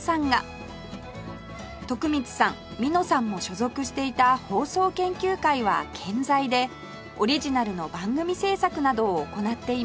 徳光さんみのさんも所属していた放送研究会は健在でオリジナルの番組制作などを行っています